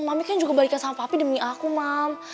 mami kan juga balik sama popi demi aku mam